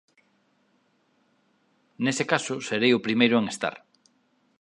Nese caso, "serei o primeiro en estar".